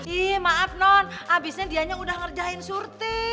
ih maaf non abisnya dianya udah ngerjain surti